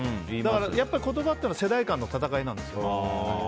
やっぱり言葉というのは世代間の戦いなんです。